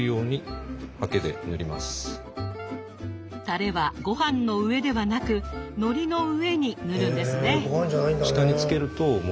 タレはごはんの上ではなくのりの上に塗るんですね。